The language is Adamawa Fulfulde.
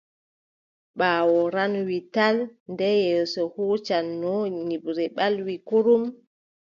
Ɓaawo ranwi tal nde yeeso huucanno nyiɓre ɓalwi kurum.